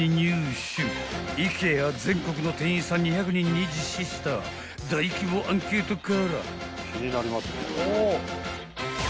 ［ＩＫＥＡ全国の店員さん２００人に実施した大規模アンケートから］